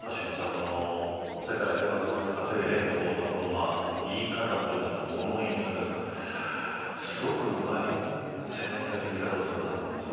この世界平和統一家庭連合のこの言い方というか物言いといいますかすごくうまい洗練された言い方をするなと思いました。